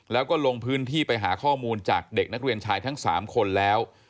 แล้วก็ลงพื้นที่ไปหาข้อมูลจากเด็กนักเรียนชายทั้ง๓คนแล้ว